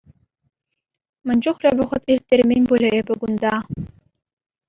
Мӗн чухлӗ вӑхӑт ирттермен пулӗ эпӗ кунта!